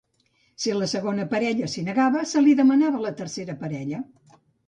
Si la segona parella s'hi negava, se l'hi demanava a la tercera parella.